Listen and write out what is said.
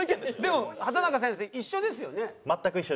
でも畠中先生一緒ですよね？